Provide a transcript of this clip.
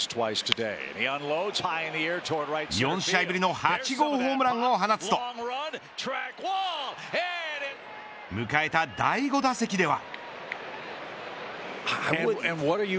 ４試合ぶりの８号ホームランを放つと迎えた第５打席では。